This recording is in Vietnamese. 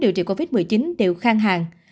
điều trị covid một mươi chín đều khang hàng